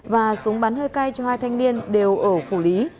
và súng bắn hơi cay cho hai thanh niên đều ở phủ lý